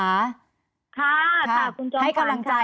ค่ะขอบคุณผู้ชมค่ะ